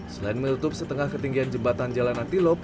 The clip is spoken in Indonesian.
selain menutup setengah ketinggian jembatan jalan antelok